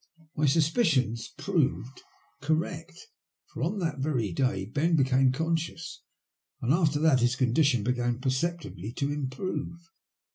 My suspicions proved correct, for on that very day Ben became conscious, and after that his condition began perceptibly to im prove.